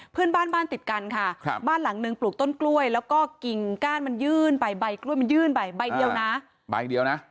เพื่อนบ้านบ้านติดกันค่ะครับบ้านหลังนึงปลูกต้นกล้วยแล้วก็กิ่งก้านมันยื่นไปใบกล้วยมันยื่นไปใบเดียวนะใบเดียวนะ